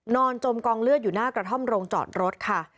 จมกองเลือดอยู่หน้ากระท่อมโรงจอดรถค่ะ